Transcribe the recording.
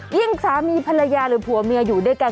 สามีภรรยาหรือผัวเมียอยู่ด้วยกัน